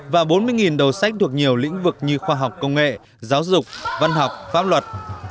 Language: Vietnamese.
và bốn mươi đầu sách thuộc nhiều lĩnh vực như khoa học công nghệ giáo dục văn học pháp luật